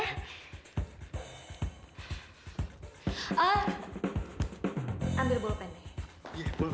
oh ambil ball pen nih